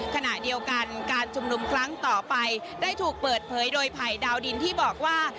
ขณะเดียวกันการชุมนุมครั้งต่อไปได้ถูกเปิดเผยโดยไผ่ดาวดินที่บอกว่า